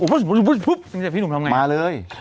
พี่หนุ่มทำอย่างไรมาเลย